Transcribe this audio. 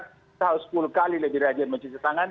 kita harus sepuluh kali lebih rajin mencuci tangan